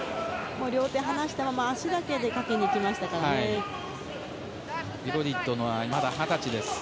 両手を離したまま足だけでかけにきましたからね。